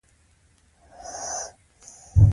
کندهار خلک را رسېدلي دي.